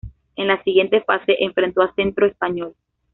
En la siguiente fase enfrentó a Centro Español.